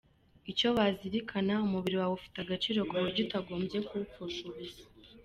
Icyo wazirikana: Umubiri wawe ufite agaciro ku buryo utagombye kuwupfusha ubusa.